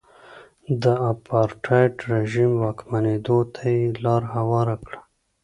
د اپارټاید رژیم واکمنېدو ته یې لار هواره کړه.